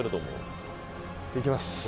「いきます」